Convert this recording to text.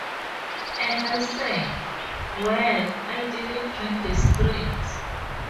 And I said, 'Well I didn't read the script.